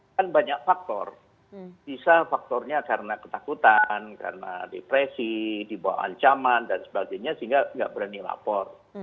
kan banyak faktor bisa faktornya karena ketakutan karena depresi dibawa ancaman dan sebagainya sehingga nggak berani lapor